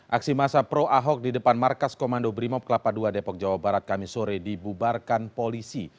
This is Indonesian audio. aksi masa pro ahok di depan markas komando brimob kelapa ii depok jawa barat kami sore dibubarkan polisi